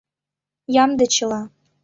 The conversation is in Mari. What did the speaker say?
Ямде чыла.